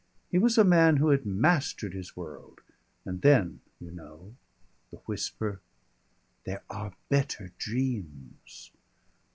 He was a man who had mastered his world. And then, you know, the whisper: "_There are better dreams.